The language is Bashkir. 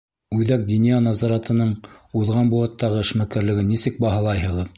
— Үҙәк диниә назаратының уҙған быуаттағы эшмәкәрлеген нисек баһалайһығыҙ?